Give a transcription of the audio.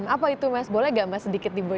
apa itu mas boleh gak mas sedikit diberi